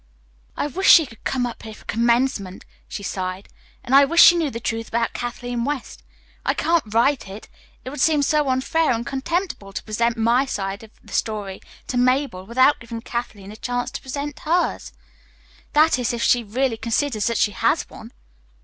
"I wish she could come up here for commencement," she sighed, "and I wish she knew the truth about Kathleen West. I can't write it. It would seem so unfair and contemptible to present my side of the story to Mabel without giving Kathleen a chance to present hers. That is, if she really considers that she has one."